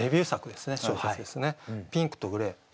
「ピンクとグレー」。